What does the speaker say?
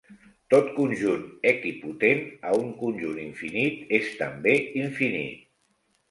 Tot conjunt equipotent a un conjunt infinit és també infinit.